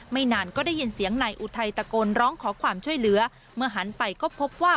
นานก็ได้ยินเสียงนายอุทัยตะโกนร้องขอความช่วยเหลือเมื่อหันไปก็พบว่า